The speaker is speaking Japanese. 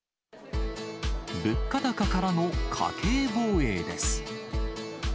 物価高からの家計防衛です。